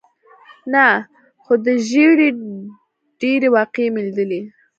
نه، خو د ژېړي ډېرې واقعې مې لیدلې.